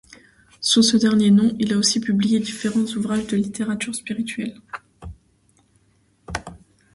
Sous ce dernier nom, il a aussi publié différents ouvrages de littérature spirituelle.